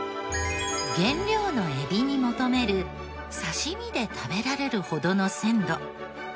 原料のエビに求める刺し身で食べられるほどの鮮度。